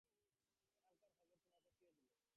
এখানকার খবর তোমাকে কে দিলে?